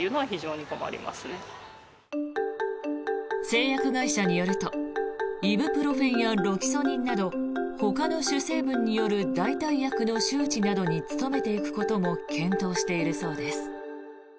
製薬会社によるとイブプロフェンやロキソニンなどほかの主成分による代替薬の周知に努めていくことも検討しているそうです。